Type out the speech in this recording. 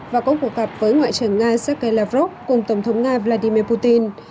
và có cuộc gặp với ngoại trưởng nga sergei lavrov cùng tổng thống nga vladimir putin